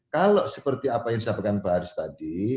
kalau seperti apa yang saya sampaikan bang haris tadi